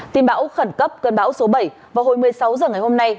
tin báo khẩn cấp cơn báo số bảy vào hồi một mươi sáu giờ ngày hôm nay